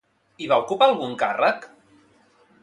I va ocupar algun càrrec?